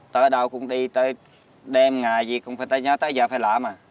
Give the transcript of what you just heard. tới đâu cũng đi đêm ngày gì cũng phải nhớ tới giờ phải làm